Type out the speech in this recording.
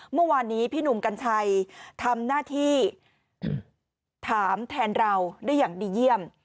เมื่อวานนี้พี่หนุ่มกัญชัยทำหน้าที่ถามแทนเราได้อย่างดีเยี่ยม